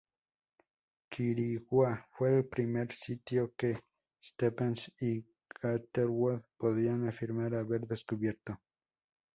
Quiriguá fue el primer sitio que Stephens y Catherwood podían afirmar haber descubierto.